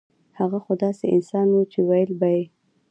هغه خو داسې انسان وو چې وييل به يې